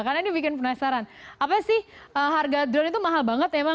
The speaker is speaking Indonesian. karena ini bikin penasaran apa sih harga drone itu mahal banget